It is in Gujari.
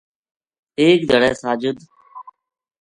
ایک دھیاڑے ساجد